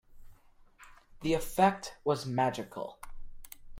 The effect was magical.